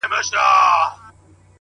ستا ټولي كيسې لوستې,